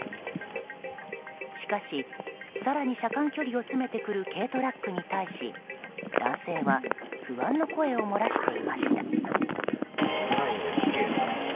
しかし、更に車間距離を詰めてくる軽トラックに対し男性は不安の声を漏らしていました。